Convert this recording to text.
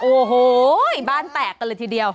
โอ้โฮบ้านแตกละทีเดียว